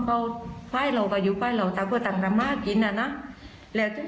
เยอะบังให้เรากับอยู่มาเขาแล้วทั้งตั้งน้ำมากินนะและคุณ